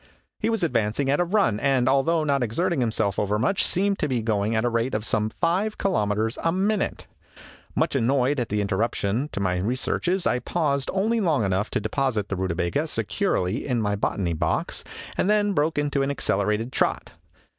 He was advancing at a run, and, although not exerting himself overmuch, seemed to be ^oinq at a rate of some five kilometers a o> o minute. Much annoyed at the interruption to my researches, I paused only long enough to deposit the Rutabaga securely in my botany box and then broke into an accelerated trot.